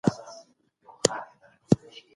د کندهار خلګ څنګه خپلې مېوې وچوي؟